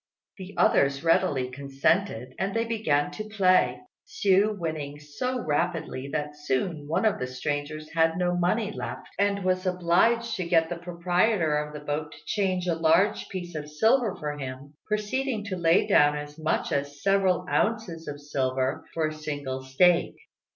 The others readily consented, and they began to play, Hsiu winning so rapidly that soon one of the strangers had no money left, and was obliged to get the proprietor of the boat to change a large piece of silver for him, proceeding to lay down as much as several ounces of silver for a single stake.